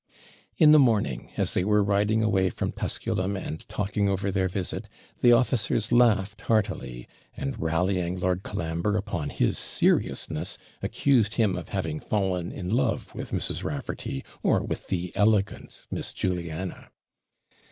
In the morning, as they were riding away from Tusculum and talking over their visit, the officers laughed heartily, and rallying Lord Colambre upon his seriousness, accused him of having fallen in love with Mrs. Raffarty, or with the ELEGANT Miss Juliana.